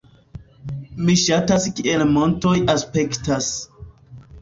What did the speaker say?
Mi ŝatas kiel montoj aspektas